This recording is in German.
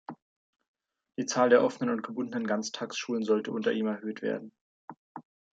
Die Zahl der offenen und gebundenen Ganztagsschulen sollte unter ihm erhöht werden.